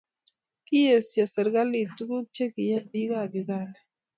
Kiesho serikalit tuguk chikiyae bik ab Uganda.